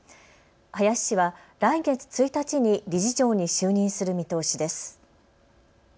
林氏は来月１日に理事長に就任する見通しです。